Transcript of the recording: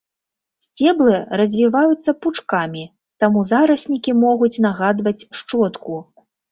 Сцеблы развіваюцца пучкамі, таму зараснікі могуць нагадваць шчотку.